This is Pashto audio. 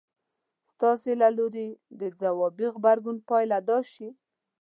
ستاسې له لوري د ځوابي غبرګون پايله دا شي.